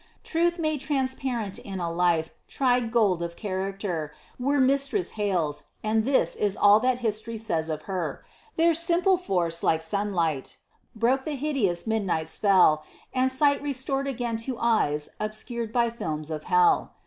Truth made transparent in a life, tried gold of character, Were Mistress Hale's, and this is all that history says of her; Their simple force, like sunlight, broke the hideous midnight spell, And sight restored again to eyes obscured by films of hell.